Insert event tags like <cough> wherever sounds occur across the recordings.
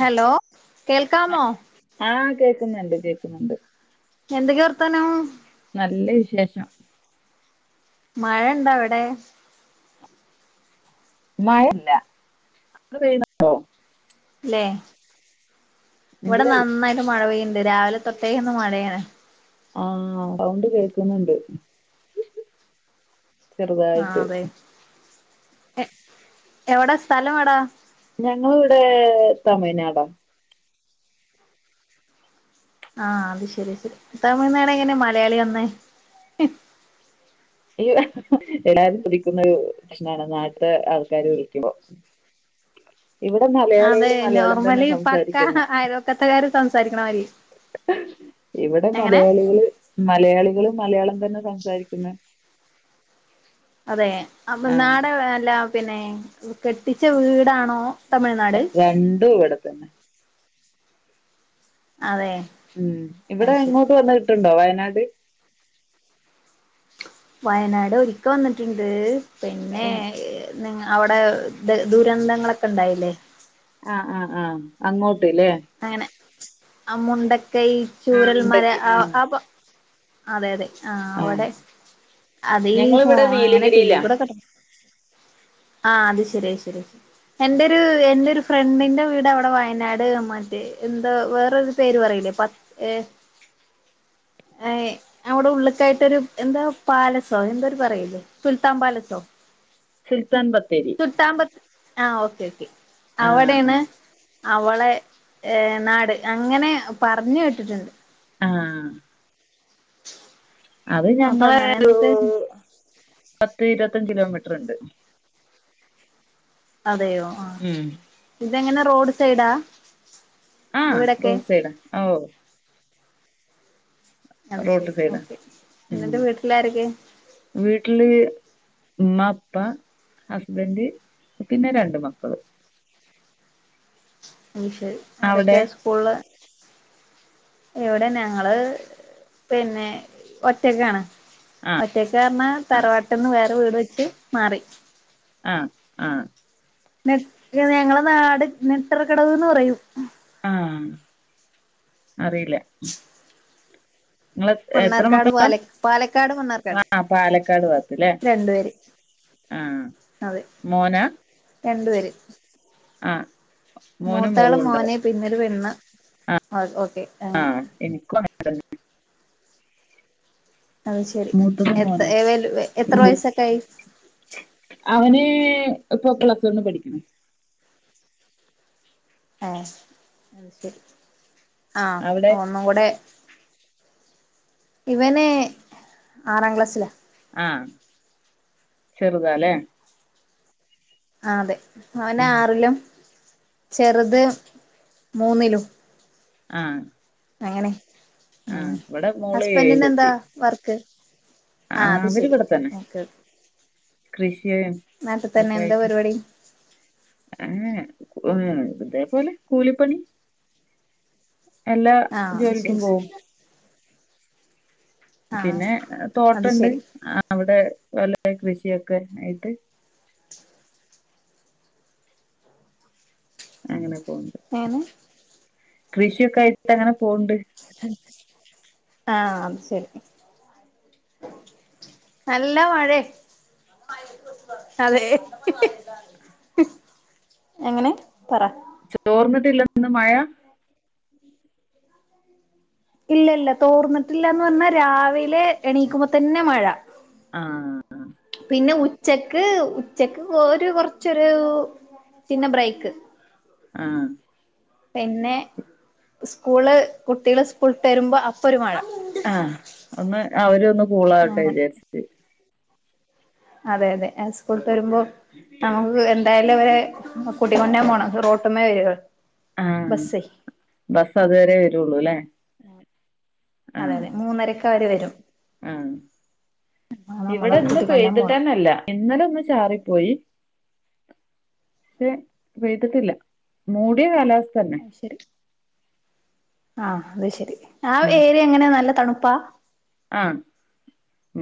Hello കേൾക്കാമോ ആഹ് കേക്കുന്നുണ്ട് കേക്കുന്നുണ്ട് എന്തൊക്കെ വർത്താനോ നല്ല വിശേഷം മഴ ഇണ്ടാ അവിടെ മഴല്ല അ ഇല്ലേ ഇവിടെ ഇല്ലല്ല നന്നായിട്ട് മഴ പെയ്യണ്ട് രാവിലെ തൊട്ടേക്ക് ഇന്ന് മഴയണെ ആ സൗണ്ട് കേൾക്കുന്നുണ്ട് ചെറുതായിട്ട് എ എവിടെ സ്ഥലം എവിടെ ഞങ്ങളിവിടെ തമിഴ്നാടാ ആ അത് ശരി ശരി തമിഴ്നാട് എങ്ങനെ മലയാളി വന്നേ ഈ എല്ലാരും കുതിക്കുന്ന പ്രശ്നാണ് നാട്ടത്തെ ആൾക്കാര് വിളിക്കുമ്പോ ഹ ഇവിടെ അതെ മലയാളികള് മലയാളം തന്നെ നോർമലി പക്ക സംസാരിക്കുന്നെ ആയക്കത്തക്കാര് സംസാരിക്കണമായിരിക്ക ഇവിടെ മലയാളികള് മലയാളികളും മലയാളം തന്നെ സംസാരിക്കുന്ന അതെ അങ്ങ് നാട അല്ല പിന്നെ കെട്ടിച്ച വീടാണോ തമിഴ്നാട് രണ്ടും ഇവിടെത്തന്നെ അതെ ഉം ഇവിടെ അത് ശരി എങ്ങോട്ട് വന്ന് കിട്ടുണ്ടോ വയനാട് വയനാട് ഒരിക്കൽ വന്നിട്ടുണ്ട് പിന്നെ ആഹ് നി അവിടെ ദ ദുരന്തങ്ങളൊക്കെ ഉണ്ടായില്ലേ ആഹ് ആഹ് ആഹ് അങ്ങോട്ട്ല്ലേ അങ്ങനെ ആ മുണ്ടക്ക ആഹ് ചൂരൽ മര മുണ്ടക്കയം ആ ആഹ് ആ അതെ അതെ ആ ആഹ് അവിടെ അതീ ഹ ഞങ്ങളിവിടെ അങ്ങനെ തടീ നീലഗിരിയിലാ കൂടെ കെട്ട ആഹ അത് ശരിയ ശരി ശ എന്റെ ഒരു എന്റെറെ ഒരു ഫ്രണ്ടിന്റെ വീട് അവിടെ വയനാട് എന്താ വേറരു പേര് പറയില്ലേ പത്ത് ഏ ഏ അവിടെ ഉള്ളക്കായിട്ടൊരു എന്താ പാലസോ എന്ത ഒരു പറയലേ സുൽത്താൻ പാലസോ സുൽത്താൻ ബത്തേരി ചുട്ടാമ്പത്ത് ആ ഓക്കെ ഓക്കെ ആഹ് അവടെയാണ് ആഹ് അവളെ ഏർ നാട് അങ്ങനെ പറഞ്ഞു കേട്ടിട്ടുണ്ട് ആഹ അത് അപ്പൊ ഞങ്ങളെ അങ്ങനെ ഒരു എന്നിട്ട് പത്ത് ഇരുപത്തി പത്ത കിലോമീറ്റർ ഉണ്ട് അതെയോ ആ ഉം ഇതെങ്ങനെ റോഡ് സൈഡാ ആഹ വീടൊക്കെ റോഡ് സൈഡ അത് റോട്ട് ശരി സൈഡ ഓക്കെ ഉം എന്നിട്ട് വീട്ടിലാരൊക്കെ വീട്ടില് ഉമ്മ അപ്പ ഹസ്ബൻഡ് പിന്നെ രണ്ട് മക്കളും മഷരി അവിടെ അവരൊക്കെ സ്കൂളില് ഇവിടെ ഞങ്ങള് പിന്നെ ഒറ്റക്കാണ് ആഹ് ഒറ്റക്ക് പറഞ്ഞാ തറവാട്ടന്ന് വേറെ വീട് വെച്ച്ു മാറി ആഹ ആഹ ന ഞങ്ങളെ നാട് നെട്ടറ കടവ് ന്ന് പറയും ആഹ അറിയില്ല നിങ്ങെ എത്ര മണ്ണാർക്കാട് മക്കളള്ള പാല പാലക്കാട് മണ്ണാർക്കാട് ആഹ പാലക്കാട് പാത്തല്ലേ രണ്ടു പേര് ആഹ അതെ മോന രണ്ടു പേര് മോനും മോളും മൂത്താളും ഉണ്ടാവും മോനെ പിന്നീട് പെണ്ണ ആ ഓക്കെ അങ്ങനെ ആഹ് <unintelligible> അത് ശരി മൂത്തത് മോനാ എത്ഏ വെലു വുഎ എത്ര വയസൊക്കെ ആയി അവന് ഇപ്പൊ പ്ലസ് വൺ പഠിക്കണ് അ ആ അവിടെ ഒന്നും കൂടെ ഇവന് ആറാം ക്ലാസ്സില ആ ചെറുതാലെ ആ അതെ ഉം. അവനാറിലും ചെറുത് മൂന്നിലും ആ അങ്ങനെ ആ മ് ഇവിടെ മോള് ഹസ്ബെൻറിനെന്താ ഏഴിലെത്തി വർക്ക് ആ അത് ശെരി അവരിവിടെ തന്നെ ഓക്കെ ഒക്കെ കൃഷിയും നാട്ട് തന്നെ എന്താ പരിപാടി ഏ <unintelligible> ഇതേപോലെ കൂലിപ്പണി എല്ലാ ആഹ് അത് ജോലിക്കും ശരി പോവും ആഹ് പിന്നെ അത് തോട്ടണ്ട് ശരി അവിടെ വല്ല കൃഷിയൊക്കെ ആയിട്ട് അങ്ങനെ പോ തേനെ കൃഷിയൊക്കെ ആയിട്ട് അങ്ങനെ പോണ്ട് ആ ത് ശെരി നല്ല മഴെ അതെ <unintelligible> എങ്ങനെ പറ ചോർന്നിട്ടില്ല ഇന്ന് മഴ ഇല്ല ഇല്ല തോർന്നിട്ടില്ലാന്ന് പറഞ്ഞാ രാവിലെ എണീക്കുമ്പോ തന്നെ മഴ ആ പിന്നെ ഉ ച്ചക്ക് ഉച്ചക്ക് ഒരു കൊറച്ചൊരു പിന്നെ ബ്രേക്ക് ആ പിന്നെ സ്കൂള് കുട്ടികള് സ്കൂള്ട്ട് വരുമ്പോ അപ്പൊ ഒരു മഴ ആ ഒന്ന് അവര് ഒന്ന് കൂളാവട്ടെ അങ്ങനെ വിചാരിച്ചിട്ട് അതെ അതെ സ്കൂള്ട്ട് വരുമ്പോ നമുക്ക് എന്തായാലും അവരെ കുടിമന്നേം പോണം റോ ട്ട്മ്മേ വേവ് ആ ബസ് അതുവരെ വരുള്ളുല്ലേ അതെ അതെ മൂന്നരക്കവര് വരും ആ നമ്മള് ഇവിടെ ഇന്ന് കൂട്ടിക്കൊണ്ടരാൻ പോണം പെയ്തിട്ടനല്ല ഇന്നലെ ഒന്ന് ചാറിപ്പോയി ഷെ പെയ്തിട്ടില്ല മൂടിയ കാലാവസ് അയ്ശെരി ആ അത് ശെരി ആ ഏരിയ എങ്ങനെ നല്ല തണു പ്പ ആ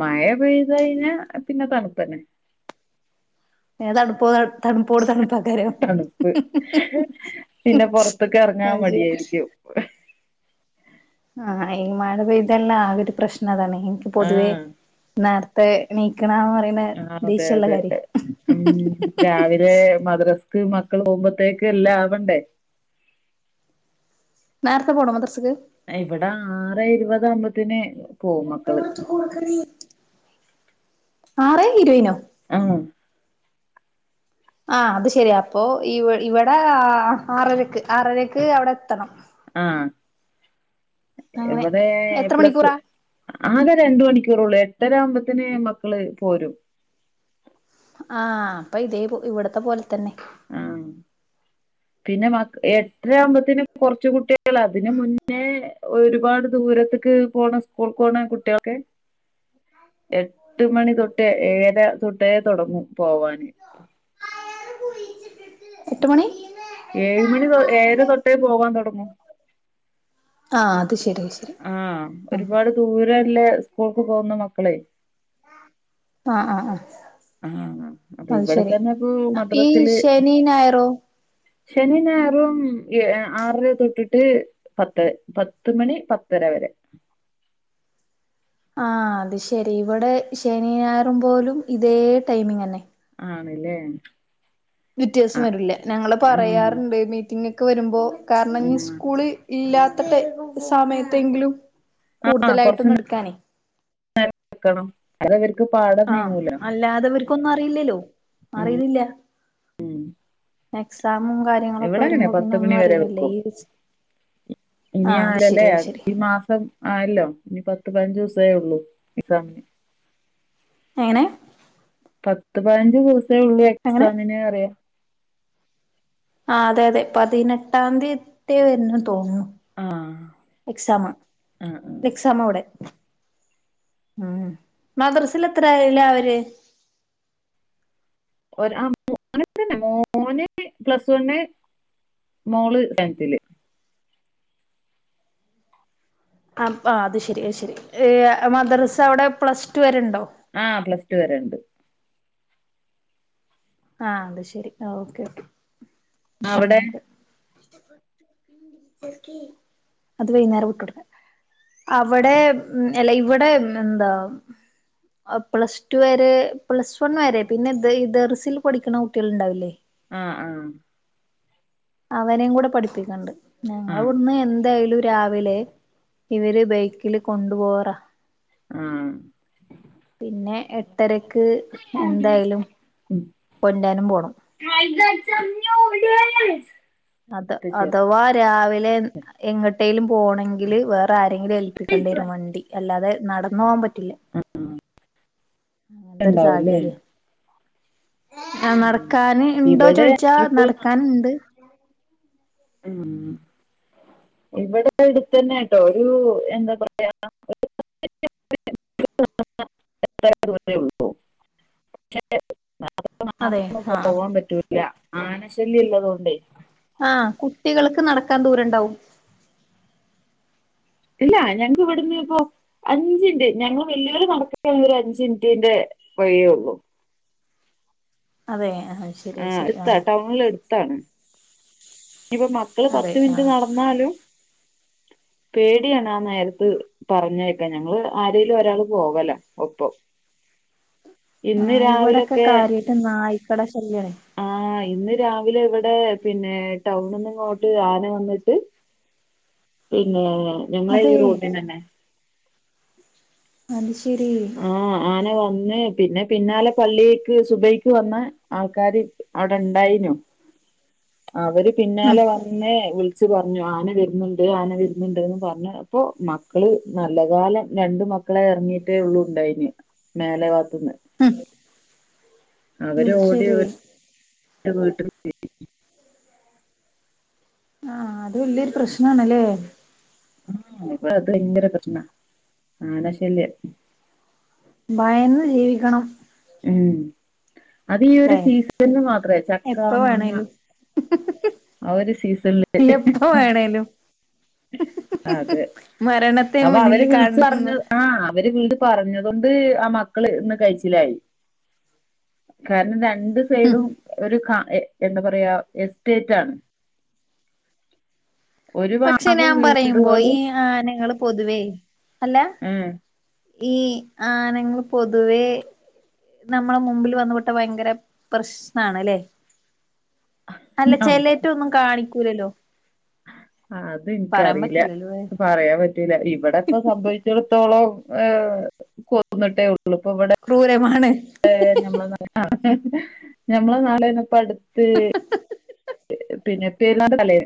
മഴ പെയ്ത് കഴിഞ്ഞാ പിന്നെ തണുപ്പന്നെ പിന്നെ തണു തണുപ്പോട് തണുപ്പ് തണുപ്പ് പിന്നെ പൊറത്ത്ക്ക് എറങ്ങാ അത് ശരി മടിയാരിക്കും ആ ആ ഈ മഴപെയ്തെല്ലാ ആകെ ഒരു പ്രശ്നതാണെ എനിക്ക് പൊതുവേ ആഹ് നേര ത്തെ എ ആ അതെ അതെ ഉം രാവിലെ മദ് ക്ക് മക്കള് പോവുമ്പത്തേക്ക് എല്ലാം ആവണ്ടേ നേരത്തെ പോണോ മദ്രസ്ക്ക് ഇവിടെ ആറെ ഇരുപതാവുമ്പത്തേന് പോവും മക്കള് ആറേ ഇരു ആ. ആ് അത് ശരിയാ അപ്പൊ ഇവിടെഇവിടെ ആറരക്ക് ആറരക്ക് അവിടെ എത്തണം. ആ അങ്ങനെ ഇവിടെ എത്ര പ്ലസ് വ മണിക്കൂറാ ആകെ രണ്ട മണിക്കൂറള്ള. ട്ടരാവുമ്പത്തന് മക്കള് പോരും. ആ അപ്പൊ ഇതേ ഇവിടത്തെ പോലെ തന്നെ. ആ പിന്നെ മ എട്ടരആകുമ്പത്തിനും കുറച്ച കുട്ടികൾ അതിന് മുന്നേ ഒരുപാട് ദി. ദൂരത്തക്ക് പോണ ഉസ്കൂൾക് പോണ കുട്ട്യേൾക്ക്. എട്ട് മണി തൊട്ടേ ഏഴ തൊട്ടേ തുടങ്ങൂ. പോവാന്. എട്ട് മണി. ഏഴ് മണി ഏഴര തൊട്ടേ പോകൻ തൊടങ്ങും. ആ് അത് ശരി. ശരി ആ ആഹ് ഒരുപാട് ദൂരല്ലേ ഉസ്കൂൾക്ക് പോകുന്ന മക്കളെ. ആ ആ ആ ആ അപ്പൊ ഇവിടെത്തന്നെ ഇപ്പൊ ഈ മദ്രാസില്. ശനി ഞായറോ ശനീം ഞായറും ആറരതൊട്ടിട്ട് പത്ത് പത്ത്മണി പത്തര വരെ. ആ അത് ശരി ഇവിടെ ശനിയായിറും പോലും ഇതേ ടൈമിങ് തന്നെ. ആണല്ലേ. വ്യത്യാസം ആ വരൂല്ലേ ഞങ്ങള് ആ പറയാറുണ്ട് മീറ്റിങൊക്കെ വരുമ്പോ. കാരണം ഇനി ഉസ്കൂള് ഇല്ലാത്ത ടയ് സമയത്തെങ്കിലും. ആ ആ കൊറച്ച് കൂടുതലായിട്ടൊന്ന്ടുക്കാനേ. വെക്കണം അത് അവർക്ക് പാടം ആ നീങ്ങൂല അല്ലാതെവർക്കൊന്നും അറിയില്ലല്ലോ ഉം അറിയുന്നില്ല. എക്സാമും കാര്യങ്ങളൊക്കെ ഇവിടെ അങ്ങനെ വരുമ്പോ പത്ത് പിന്നെ മണി ഒന്നും വരെ അറിയുന്നില്ലലൊ വെക്കും ഈ. ഇനി ആഹ് അത് ശരി ആരല്ലേ അത് ശരി ഈ മാസം ആയല്ലോ ഇനി പ. പത്ത് പയിനജ് ദിവസേ ഉള്ളു എക്സാമിന്. എങ്ങനെ. പത്ത് പതിന എങ്ങനെ ആ അതെ അതെ പതിനെട്ടാതീ ട്ട്യാ വരന്ന് തോന്നുന്നു. ആ എക്സാമ ആ ആ എക്സാമ അവിടെ. ഉം മദ്രസൽ എത്രായിലാവര്. <inaudible> ആ ഒര <unintelligible> മോൻ പ്ലസ് വണ്. മോള് ടെന്തിൽ. ആ ആ അത് ശരി അ ശെരി മദ്രാസ അവിടെ പ്ലസ് ടു വരെണ്ടോ. ആഹ പ്ലസ് ടു വരെ ഉണ്ട്. ആഹ അത് ശെരി ഓക്കെ ഓക്കെ അപ്പ അവിടെ അങ്ങനെയൊക്കെ. അത് വൈകുന്നേരം വിട്ടടുക്ക. അവിടെ ഉ അല്ല ഇവിടെ പിന്നെന്താ. പ്ലസ് ടു വരെ പ്ലസ് വൺ വരെ പിന്നെ ദെർസിൽ പഠിക്കണ കുട്ടികൾ ഇണ്ടാവില്ലേ. ആഹ ആഹ. അവനെയും കൂടെ പഠിപ്പിക്കണ്ട് ഞങ്ങള ആ ഇവടുന്ന് എന്തായാലും. രാവിലെ ഇവര് ബൈക്കില് കൊണ്ടു പോവാറാ. ആഹ് പിന്നെ എട്ടരക്ക് എന്തായാലും. ക്കൊണ്ടാനും പോണം. <unintelligible> അത ഇട്ട് അഥവാ രാവിലെ എങ്ങട്ടേലും പോണെങ്കില് വേറെ ആര്. എെങ്കിലും ഏൽപ്പിക്കേണ്ട ചേർത്ത് വരും വണ്ടി അല്ലാതെ നടന്നു പോകാൻ പറ്റില്ല അങ്ങനത്തെൊ ഒരു ഉണ്ടാവൂല്ലേ സാഹചര്യം ആ ഉം. നടക്കാന് ഇണ്ടോ ഇവിടെ ചോയിിച്ചാ ഇപ്പൊ നടക്കൻുണ്ട് ഉം <unintelligible> ഇവിടെ അടുത്ത് തന്നെട്ടോ ഒരു എന്താ പറയാ <inaudible> ത്ര ഉള്ളൂ <unintelligible> മാ അതെ മാൊന്നും ആഹ് പോവാൻ പറ്റൂല്ല ആനശല്യം ഇള്ളത കൊണ്ടേ <unintelligible> ആഹ കുട്ടികൾക്ക് നടക്കാൻ ദൂരം ഉണ്ടാവും ഇല്ല ഞങ്ങക്ക് ഇവിടന്ന് ഇപ്പോൊ അഞ്ചിന്റ ഞങ്ങ വെല്ലുവിള നടക്ക ഒരു അഞ്ച മിനിറ്റിന്റെ വഴിയേള്ളു അതെ ശരി ആഹ ശരി ആ എടുത്താ ടൗണില എടുത്താണ് ഇപ്പൊ മക്കള് പത്ത് മിനിറ്റ് നടന്നാലും അ <inaudible> പേടിയണാന്ന് നേരത്ത് പറഞ്ഞേക്കാ ഞങ്ങള് ആരെലും ഒരാള് പോകലോ ഒപ്പം <unintelligible> ആ ഇന്ന് ഇവിടെൊക്കെ കാര്യമായിട്ട് നായി ആ് ഇന്ന് രാവിലെ എവ ഇടെ പിന്നെ ടൗണ നിന്നങ്ങോട്ട് ആന വന്നിട്ട് പിന്നെ ഞങ്ങള ഈ അതെ റോഡിന തന്നെ ആ <unintelligible> ആഹ ആനെ വന്ന പിന്നെ പിന്നെ പിന്നാലെ പള്ളിക്ക് സുബയ്ക്ക് വന്ന ആൾക്കാാര് അവിടെ ഉണ്ടായിനോ അവര് ഉം പിന്നാലെ വന്നേ പറഞ്ഞു ആന വരുന്നുണ്ട് ആന വരുന്നുണ്ട്ന്ന് പറഞ്ഞു അപ്പോൊ മക്കള് നല്ല കാലം രണ്ട മക്കളെ ഇറങ്ങീയിട്ടേ ഉള്ളുണ്ടായിന് മേലെ ഭഗത്തുന്ന് ഉം <unintelligible> അവര അത് ഓടി ശരി വീട്ട <unintelligible> ആ അത് വല്യൊരു പ്രശ്നണല്ലേ ആ ഇപ്പ അത് ഭയങ്കര പ്രശ്നാ ആകെ ശല്യം ഭയന്ന് ജീവിക്കണം ഉം അത ഈ ഒരു ല്ലേ സീസണന് മാത്രേ ചക്ക മാങ്ങ ആ ഒരു സീസണില് ന എപ്പ വേണേലും അതെ മരണ അപ്പൊ അവര് വിളിച്ച് പറഞ്ഞ് ആ അവര് വീട് ത പറഞ്ഞത് കൊണ്ട് ആ മക്കള് ഇന്ന് കഴിച്ചിലായി കാരണം എന്ത രണ്ട് ഉം സൈഡും ഒരു ക എ എന്താ പറയാ എസ്റ്റേറ്റ് ആണ് ഒരു പക്ഷെ ഭാഗം ഞാൻ പറയുമ്പോ ഈ വീടുകളും ആ നിങ്ങള് പൊതുവേ അല്ല ഉം ഈ ആനങ്ങൾ പൊതുവേ നമ്മളെ മുമ്പിൽ വന്ന വിട്ട ഭയങ്കര പ്രശ്നണല്ലേ അല്ല ചെലറ്റ ഒന്നും കാണിക്കൂലല്ലോ പറയാൻ അതെനിക്കറിയില്ല പറ്റില്ലല്ലോ അത് പറയാൻ പറ്റൂല ഇവിടെ ഇപ്പ സംഭവിച്ച ത്തോളം ഏ കൊന്നിട്ടേ ഉ ക്രൂരമാണ് ഞമ്മള ഞമ്മളെ നാടന്നപ്പ അടുത്ത് പിന്നെപ്പ എല്ലാം തലേ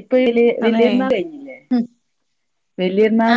ഇപ്പൊ വില അതെ വലിയർന്നാൾ ഉം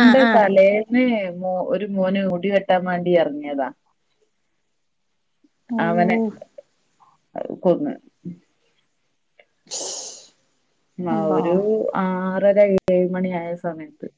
ആഹ് ആഹ് തലേന്ന് മോ ഒരു മോന് മുടി വെട്ടാൻ വേണ്ടി എറങ്ങ്യേതാ ഓ അ കൊന്ന് ശ് ആ ഒരു ആറര ഏഴ് മണി ആയ സമയത്ത്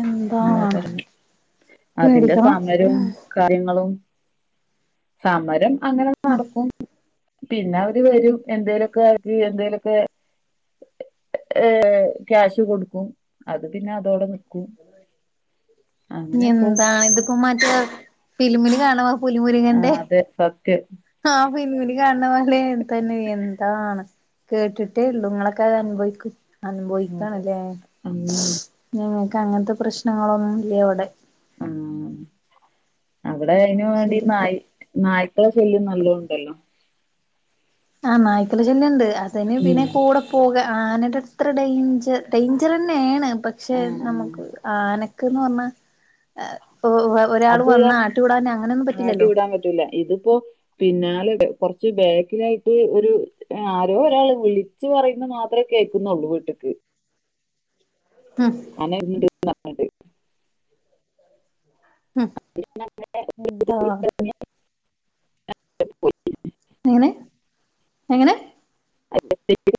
എന്താണ് <unintelligible> അതിന്റെ പേടിക്കണം സമരവും കാര്യങ്ങളും സമരം അങ്ങനെ ഉം നടക്കും പിന്നെ അവര് വരും എന്തേലൊക്കെ ഒര് എന്തേലൊക്കെ ഏ ക്യാഷ് കൊടുക്കും അത് പിന്നെ അതോടെ നിക്കും അങ്ങനെ പോവും എന്താ ഇതിപ്പോ മറ്റേ ഫിലിമില് കാണ പുലി ആ മുരികന്റെ അതെ സത്യം ആ പിന്നിൽ കാണണ മലേം തന്നെ എന്താണ് കേട്ടിട്ടേ ഉള്ളു ഇങ്ങളൊക്കെ അത് അനുഭവിക്കും അതെ അനുഭവിക്കണല്ലേ ഉം ശ് ഞങ്ങൾക്ക് അങ്ങനത്തെ പ്രശ്നങ്ങളൊന്നുംല്ല ഇവിടെ ആ അവിടെ അയിന് അത് വേണ്ടി ശരി നായ് നായ് കളെ ശല്യം നല്ല ഉണ്ടല്ലോ ആ നായ്ക്കള ശല്യണ്ട് അതന് ഉം പിന്നെ കൂടെ പോക ആനെടെത്ര ഡെഞ്ചർ ഡെഞ്ചറെന്ന്യാണ് പക്ഷെ ആഹ് ആഹ് നമുക്ക് ആന ക്ക്ന്ന് പറഞ്ഞ എ പ്പോ ഒരാൾ അത് വന്ന ആട്ടി വിടാനങ്ങനൊന്നും ആട്ടി പറ്റില്ലല്ലോ വിടാൻ പറ്റൂല ഇതിപ്പോ പിന്നാലണ്ട് കുറച്ച് ബാക്കിലായിട്ട് ഒരു ആരോരാള് വിളിച്ചു പറയുന്നത് മാത്രേ കേൾക്കുന്നുള്ളൂ വീട്ട്ക്ക് ഉം <inaudible> ഉം എന്താ എങ്ങനെ എങ്ങനെ <inaudible>